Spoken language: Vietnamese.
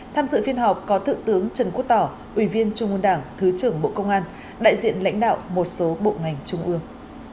tham dự phiên họp có thượng tướng trần quốc tỏ ủy viên trung ương đảng thứ trưởng bộ công an đại diện lãnh đạo một số bộ ngành trung ương